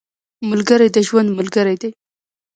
ملګری د ژوند ملګری دی